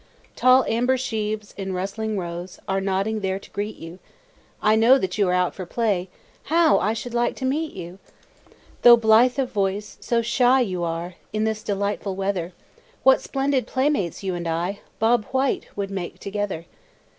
Tall amber sheaves, in rustling rows, Are nodding there to greet you; I know that you are out for play How I should like to meet you! Though blithe of voice, so shy you are, In this delightful weather; What splendid playmates, you and I, "Bob White," would make together!